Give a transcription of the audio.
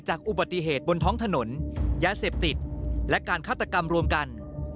อุบัติเหตุบนท้องถนนยาเสพติดและการฆาตกรรมรวมกัน